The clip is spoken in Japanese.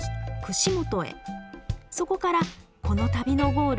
そこからこの旅のゴール